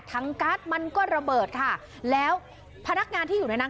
การ์ดมันก็ระเบิดค่ะแล้วพนักงานที่อยู่ในนั้น